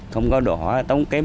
không có đồ hỏa tống kém